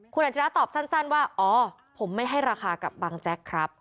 คุณอัจฉริยะตอบสั้นว่าอ๋อผมไม่ให้ราคากับบังแจ๊กครับ